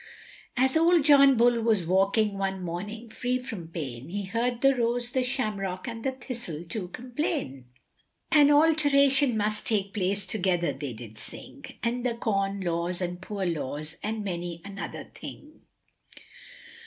_ As old John Bull was walking one morning free from pain, He heard the Rose, the Shamrock, and the Thistle to complain, An alteration must take place together they did sing, In the Corn Laws and Poor Laws, and many another thing.